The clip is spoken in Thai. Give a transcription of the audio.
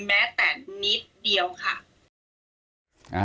แม้แต่นิดเดียวค่ะ